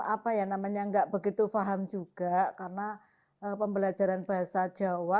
apa ya namanya nggak begitu paham juga karena pembelajaran bahasa jawa